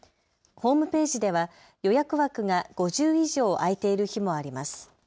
ホームページでは予約枠が５０以上空いている日もあります。